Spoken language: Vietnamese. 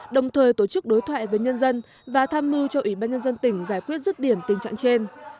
đồng thời tổ chức đối thoại với nhân dân và tham mưu cho ủy ban nhân dân tỉnh giải quyết rứt điểm tình trạng trên